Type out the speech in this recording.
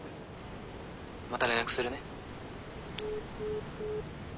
また連絡するね。